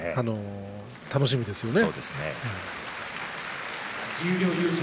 楽しみですね。